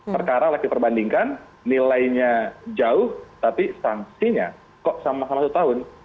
perkara lagi perbandingkan nilainya jauh tapi stansinya kok sama sama satu tahun